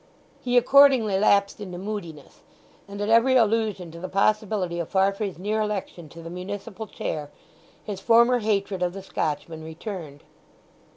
He accordingly lapsed into moodiness, and at every allusion to the possibility of Farfrae's near election to the municipal chair his former hatred of the Scotchman returned.